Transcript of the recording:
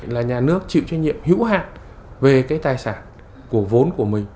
là nhà nước chịu trách nhiệm hữu hạn về cái tài sản của vốn của mình